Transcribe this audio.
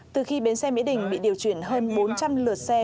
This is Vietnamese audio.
từ khi bến xe mỹ đình bị điều chuyển hơn bốn trăm linh lượt xe